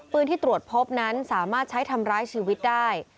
ปืนที่ตรวจพบนั้นสามารถใช้ทำร้ายชีวิตได้